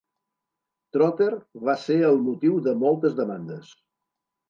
Trotter va ser el motiu de moltes demandes.